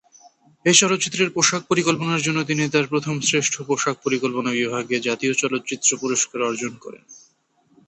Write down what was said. এই চলচ্চিত্রের পোশাক পরিকল্পনার জন্য তিনি তার প্রথম শ্রেষ্ঠ পোশাক পরিকল্পনা বিভাগে জাতীয় চলচ্চিত্র পুরস্কার অর্জন করেন।